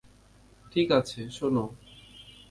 ঠিক আছে শোন।